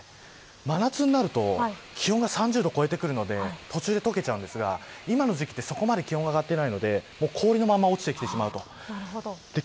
真夏になると気温が３０度を超えてくるので途中で解けちゃうんですが今の時期は、そこまで気温が上がっていないので氷のまま落ちてきてしまうと。